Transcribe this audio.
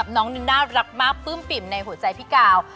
น้องนึงน่ารักมากปลื้มปิ่มในหัวใจพี่กาว